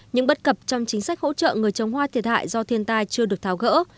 những bất cập trong chính sách hỗ trợ người trồng hoa thiệt hại do thiên tai chưa được tháo gỡ